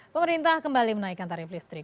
pemerintah kembali menaikkan tarif listrik